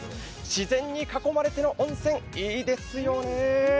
自然に囲まれての温泉、いいですよね。